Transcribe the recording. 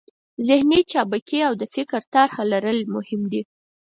ذهني چابکي او د فکر طرحه لرل مهم دي.